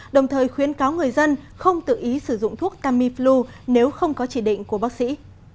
đồng thời khuyến cáo người dân không tự ý sử dụng thuốc tamiflu nếu không có chỉ định của bác sĩ